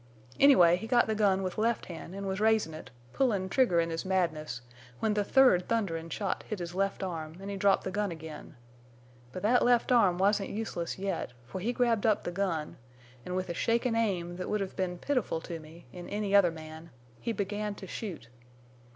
Anyway, he got the gun with left hand an' was raisin' it, pullin' trigger in his madness, when the third thunderin' shot hit his left arm, an' he dropped the gun again. But thet left arm wasn't useless yet, fer he grabbed up the gun, an' with a shakin' aim thet would hev been pitiful to me—in any other man—he began to shoot.